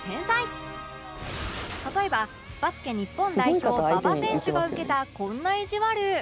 例えばバスケ日本代表馬場選手が受けたこんないじわる